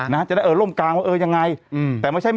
แล้วต่างไป